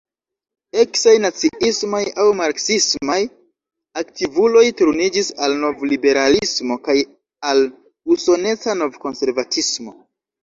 Eksaj naciismaj aŭ marksismaj aktivuloj turniĝis al novliberalismo kaj al usoneca novkonservatismo.